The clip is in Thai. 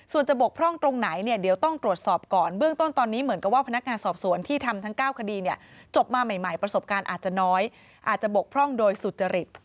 ส่วนจะบกพร่องตรงไหนเนี่ยเดี๋ยวต้องตรวจสอบก่อนเบื้องต้นตอนนี้เหมือนกับว่าพนักงานสอบสวนที่ทำทั้ง๙คดีเนี่ยจบมาใหม่ประสบการณ์อาจจะน้อยอาจจะบกพร่องโดยสุจริต